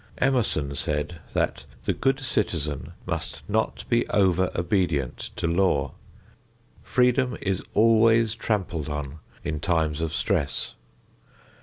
Emerson said that the good citizen must not be over obedient to law. Freedom is always trampled on in times of stress.